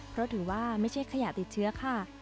เพราะถือว่าไม่ใช่ขยะติดเชื้อค่ะ